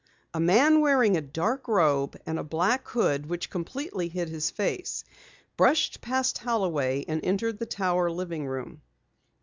A man wearing a dark robe and a black hood which completely hid his face, brushed past Holloway, and entered the Tower living room.